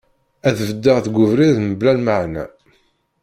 Ad beddeɣ deg ubrid mebla lmaɛna.